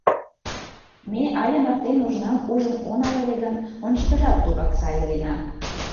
Ме але марте нужнам ужын онал ыле гын, ончыкыжат тугак сай илена.